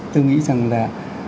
tôi nghĩ rằng là